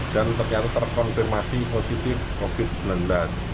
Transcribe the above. dan terkontirmasi positif covid sembilan belas